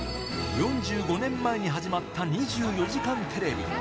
４５年前に始まった２４時間テレビ。